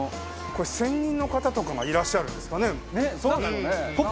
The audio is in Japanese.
これ専任の方とかがいらっしゃるんですかね？